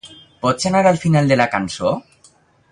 Pots anar al final de la cançó?